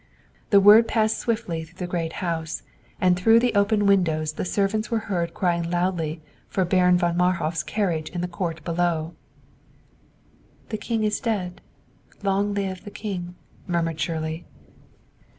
The word passed swiftly through the great house, and through the open windows the servants were heard crying loudly for Baron von Marhof's carriage in the court below. "The King is dead; long live the King!" murmured Shirley.